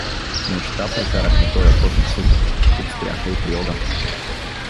Нощта прекарахме тоя път на сухо, под стряха и при огън.